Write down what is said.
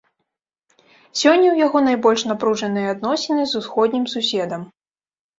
Сёння ў яго найбольш напружаныя адносіны з усходнім суседам.